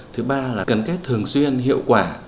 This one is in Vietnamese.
thứ ba là cần kết thường xuyên hiệu quả